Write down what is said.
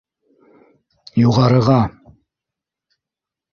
Юғарыға!